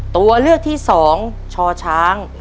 ตัวเลือกที่๒ชอช้าง